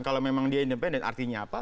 kalau memang dia independen artinya apa